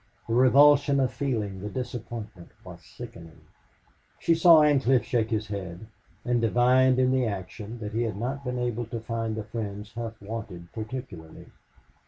The revulsion of feeling, the disappointment, was sickening. She saw Ancliffe shake his head, and divined in the action that he had not been able to find the friends Hough wanted particularly.